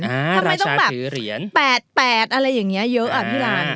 ทำไมต้องแบบ๘๘อะไรอย่างนี้เยอะอ่ะพี่ร้าน